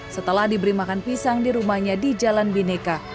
setelah diberi makan pisang di rumahnya di jalan bineka